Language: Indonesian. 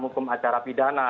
hukum acara pidana